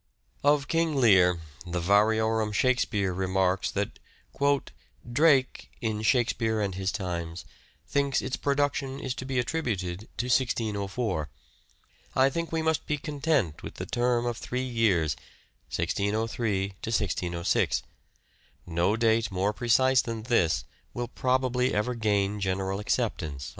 Of "King Lear," the"Variorum Shakespeare" remarks that " Drake (in ' Shakespeare and his Times ') thinks its production is to be attributed to 1604. ... I think we must be content with the term of 3 years (1603 1606) ; no date more precise than this will probably ever gain general acceptance."